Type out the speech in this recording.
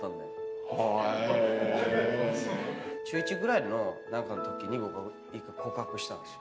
中１ぐらいの何かのときに僕１回告白したんですよ。